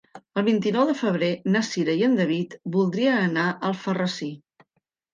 El vint-i-nou de febrer na Cira i en David voldrien anar a Alfarrasí.